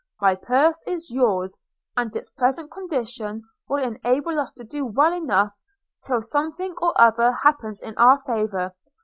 – My purse is yours, and its present condition will enable us to do well enough till something or other happens in our favour.